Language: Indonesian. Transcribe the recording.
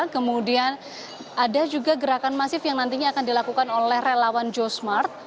kemudian ada juga gerakan masif yang nantinya akan dilakukan oleh relawan josmart